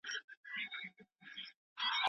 پر ما ګران نورمحمدلاهو ته!